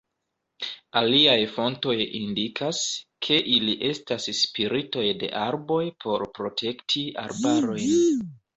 Aliaj fontoj indikas, ke ili estas spiritoj de arboj por protekti arbarojn.